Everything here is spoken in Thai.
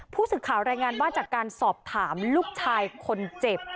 ผู้สื่อข่าวรายงานว่าจากการสอบถามลูกชายคนเจ็บ